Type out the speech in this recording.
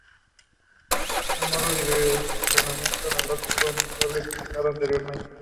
Es un modo de direccionamiento análogo al indexado, explicado anteriormente.